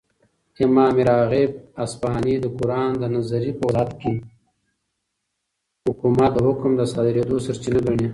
،امام راغب اصفهاني دقران دنظري په وضاحت كې حكومت دحكم دصادريدو سرچينه ګڼي